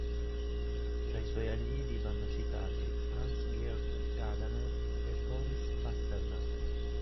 Tra i suoi allievi vanno citati Hans-Georg Gadamer e Boris Pasternak.